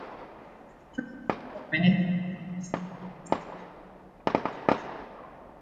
Thurso spoke many times in the House of Lords in favour of Lords reform.